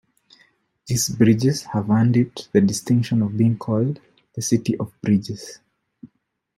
These bridges have earned it the distinction of being called the "City of Bridges".